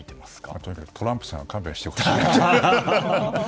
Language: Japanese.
とにかくトランプさんには勘弁してほしいですね。